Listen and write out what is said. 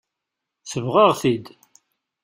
Sebɣeɣ-t-id.